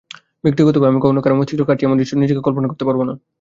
ব্যক্তিগতভাবে, আমি কখনো কারো মস্তিষ্ক কাটছি, এমন দৃশ্যে নিজেকে কল্পনা করতে পারবোনা।